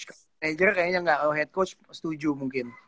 kalau manajer kayaknya enggak kalau head coach setuju mungkin